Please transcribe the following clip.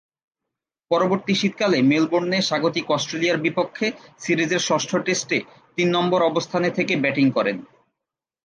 পরবর্তী শীতকালে মেলবোর্নে স্বাগতিক অস্ট্রেলিয়ার বিপক্ষে সিরিজের ষষ্ঠ টেস্টে তিন নম্বর অবস্থানে থেকে ব্যাটিং করেন।